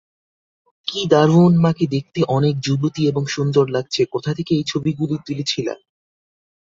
কি দারুন মাকে দেখতে অনেক যুবতী এবং সুন্দর লাগছে কোথা থেকে এই ছবিগুলি তুলেছিলো?